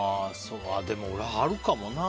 でも俺、あるかもな。